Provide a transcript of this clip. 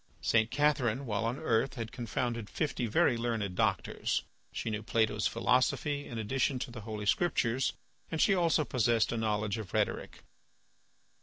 St. Catherine while on earth had confounded fifty very learned doctors. She knew Plato's philosophy in addition to the Holy Scriptures, and she also possessed a knowledge of rhetoric.